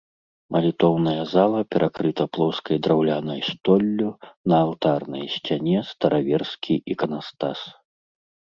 Малітоўная зала перакрыта плоскай драўлянай столлю, на алтарнай сцяне стараверскі іканастас.